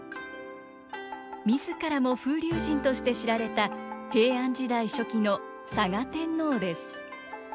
自らも風流人として知られた平安時代初期の嵯峨天皇です。